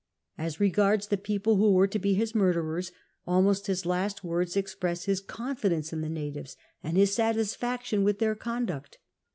As regards the people who were to be his murderers, almost his last words express his con fidence in the natives and his satisfaction with their conduct.